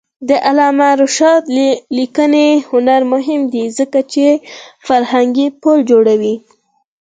د علامه رشاد لیکنی هنر مهم دی ځکه چې فرهنګي پل جوړوي.